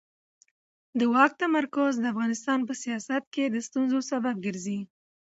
د واک تمرکز د افغانستان په سیاست کې د ستونزو سبب ګرځي